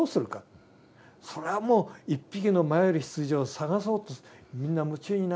それはもう１匹の迷える羊を捜そうとみんな夢中になって。